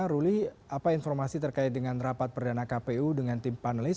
ruli apa informasi terkait dengan rapat perdana kpu dengan tim panelis